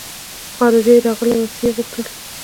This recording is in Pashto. خارجۍ راغلې وه څه يې غوښتل.